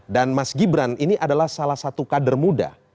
dan mas gibran ini adalah salah satu kader muda